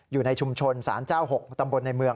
อยู่ในชุมชนศาลเจ้า๖ตำบลในเมือง